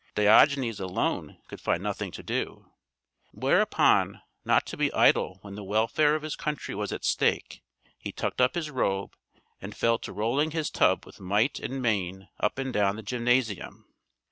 Diogenes alone could find nothing to do; whereupon, not to be idle when the welfare of his country was at stake, he tucked up his robe, and fell to rolling his tub with might and main up and down the Gymnasium."